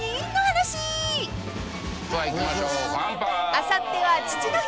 ［あさっては父の日］